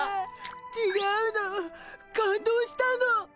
ちがうの感動したの！